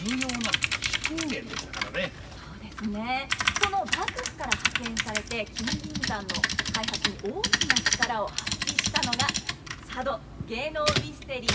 その幕府から派遣されて金銀山の開発に大きな力を発揮したのが佐渡芸能ミステリー